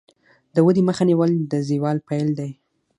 د ودې مخه نیول د زوال پیل دی.